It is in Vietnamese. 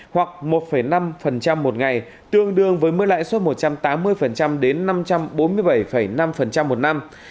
hoặc một năm một ngày tương đương với mức lãi suất một trăm tám mươi đến năm trăm bốn mươi bảy năm một năm